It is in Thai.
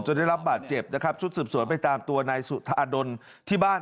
ได้รับบาดเจ็บนะครับชุดสืบสวนไปตามตัวนายสุธาดลที่บ้าน